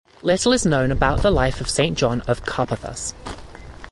Little is known about the life of Saint John of Karpathos.